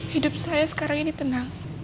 hidup saya sekarang ini tenang